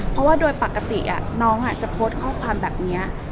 เพราะว่าโดยปกติน้องจะโพสต์ข้อความแบบนี้